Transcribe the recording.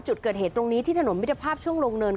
จุดเกิดเหตุตรงนี้ที่ถนนมิตรภาพช่วงลงเนิน